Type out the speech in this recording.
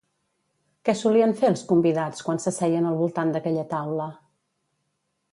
Què solien fer els convidats quan s'asseien al voltant d'aquella taula?